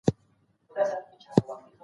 څنګه و وران وطن ته کښېنستم عالمه